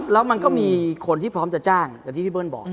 แล้วมันก็มีคนที่พร้อมจะจ้างอย่างที่พี่เบิ้ลบอก